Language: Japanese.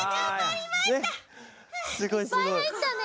いっぱいはいったね！